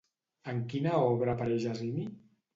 En quina obra apareix Asini?